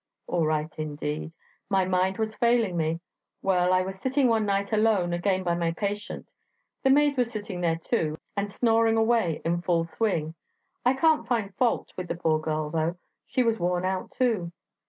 All right, indeed! My mind was failing me. Well, I was sitting one night alone again by my patient. The maid was sitting there too, and snoring away in full swing; I can't find fault with the poor girl, though; she was worn out too.